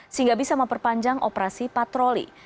sehingga bisa memperpanjang operasi patroli